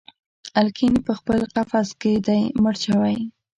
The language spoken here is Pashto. الیکین پخپل قفس کي دی مړ شوی